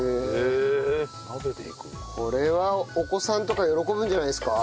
これはお子さんとか喜ぶんじゃないですか？